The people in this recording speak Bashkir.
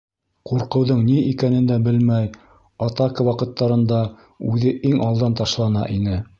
Ҡурҡыуҙың ни икәнен дә белмәй, атака ваҡыттарында үҙе иң алдан ташлана ине.